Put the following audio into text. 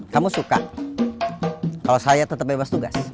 kamu suka kalau saya tetap bebas tugas